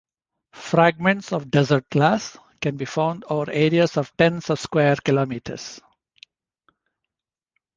Fragments of desert glass can be found over areas of tens of square kilometers.